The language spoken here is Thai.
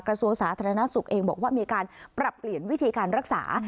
กระทรวงสาธารณสุขเองบอกว่ามีการปรับเปลี่ยนวิธีการรักษา